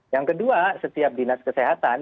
yang kedua setiap dinas kesehatan